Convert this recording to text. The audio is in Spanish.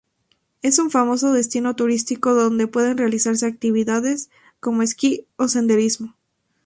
Es un famoso destino turístico donde pueden realizarse actividades como esquí o senderismo.